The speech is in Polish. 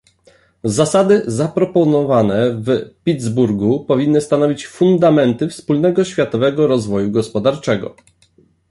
Zasady zaproponowane w Pittsburgu powinny stanowić fundamenty wspólnego światowego rozwoju gospodarczego